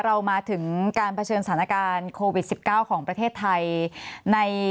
เรามาถึงการเผชิญสถานการณ์โควิด๑๙ของประเทศไทยใน